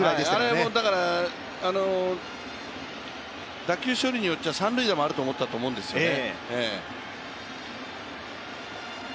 あれ、だから打球処理によっては三塁打もあると思ったんですね。